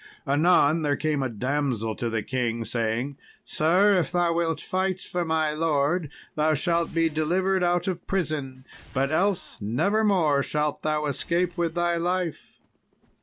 Anon there came a damsel to the king, saying, "Sir if thou wilt fight for my lord thou shalt be delivered out of prison, but else nevermore shalt thou escape with thy life."